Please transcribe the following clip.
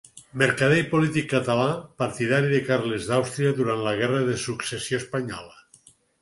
Mercader i polític català partidari de Carles d'Àustria durant la Guerra de Successió Espanyola.